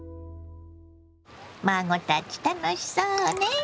孫たち楽しそうね。